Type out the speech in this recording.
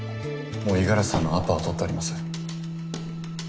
もう五十嵐さんのアポは取ってあります。